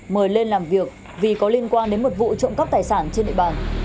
mời lên làm việc vì có liên quan đến một vụ trộm góp tài sản trên nệ bàn